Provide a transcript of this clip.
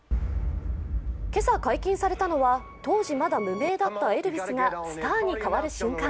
今朝、解禁されたのは、当時まだ無名だったエルヴィスがスターに変わる瞬間。